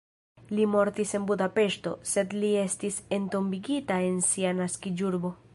Li mortis en Budapeŝto, sed li estis entombigita en sia naskiĝurbo.